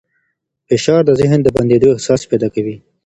فشار د ذهن د بندېدو احساس پیدا کوي.